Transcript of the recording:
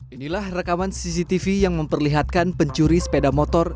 inilah rekaman cctv yang memperlihatkan pencuri sepeda motor